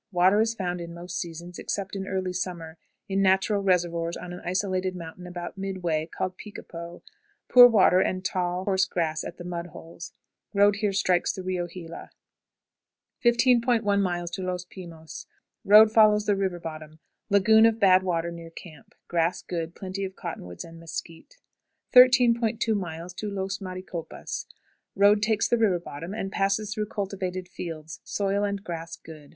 Water is found in most seasons, except in early summer, in natural reservoirs on an isolated mountain about midway, called "Picapo;" poor water and tall, coarse grass at the mud holes. Road here strikes the Rio Gila. 15.10. Los Pimos. Road follows the river bottom. Lagoon of bad water near camp. Grass good; plenty of cottonwood and mesquite. 13.20. Los Maricopas. Road takes the river bottom, and passes through cultivated fields; soil and grass good.